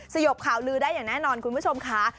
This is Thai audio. สยบข่าวลือได้อย่างแน่นอนคุณผู้ชมค่ะ